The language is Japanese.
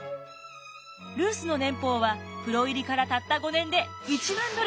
ルースの年俸はプロ入りからたった５年で１万ドル。